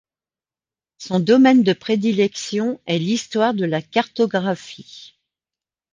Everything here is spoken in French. Son domaine de prédilection est l'histoire de la cartographie.